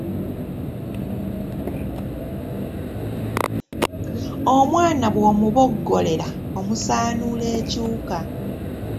"Omwana bw’omuboggolera, omusaanuula ekiwuka."